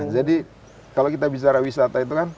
jadi kalau kita bicara wisata itu kan